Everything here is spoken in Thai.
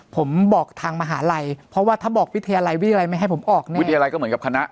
ผมบอกทางมหาลัยเพราะว่าถ้าบอกวิทยาลัยวิทยาลัยไม่ให้ผมออกนะวิทยาลัยก็เหมือนกับคณะ